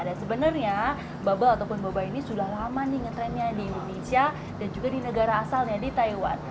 dan sebenarnya bubble ataupun boba ini sudah lama nih ngetrendnya di indonesia dan juga di negara asalnya di taiwan